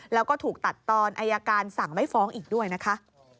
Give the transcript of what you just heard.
แล้วก็ถูกตัดตอนอายการสั่งไม่ฟ้องอีกด้วยนะคะ